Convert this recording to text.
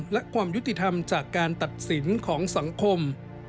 และความยุติธรรมจากการตัดสินของสังคม